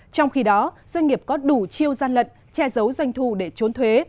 trong khi đó doanh nghiệp có đủ chiêu gian lận che giấu doanh thu để trốn thuế